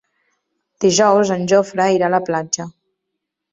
Dijous en Jofre irà a la platja.